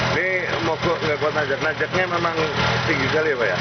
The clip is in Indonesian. ini mogok nggak kuat menanjak menanjaknya memang tinggi sekali ya pak ya